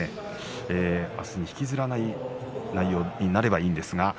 明日に引きずらない内容になればいいんですけども。